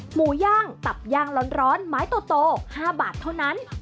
หมูย่างตับย่างร้อนไม้โต๕บาทเท่านั้น